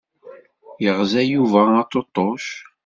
Yeɣza Yuba aṭuṭuc.